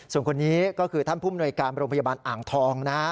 ส่วนคนนี้ก็คือท่านผู้มนวยการโรงพยาบาลอ่างทองนะฮะ